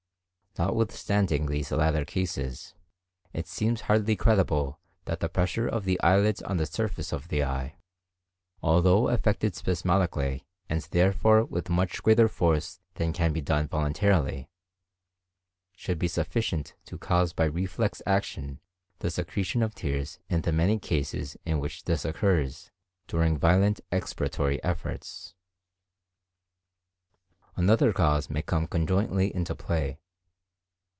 Notwithstanding these latter cases, it seems hardly credible that the pressure of the eyelids on the surface of the eye, although effected spasmodically and therefore with much greater force than can be done voluntarily, should be sufficient to cause by reflex action the secretion of tears in the many cases in which this occurs during violent expiratory efforts. Another cause may come conjointly into play.